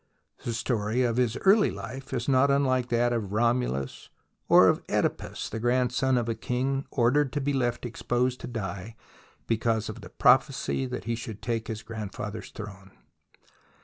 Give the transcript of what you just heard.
The story of his early life is not unlike that of Romulus or of CEdipus — the grandson of a king ordered to be left exposed to die because of a prophecy that he should take his grandfather's throne.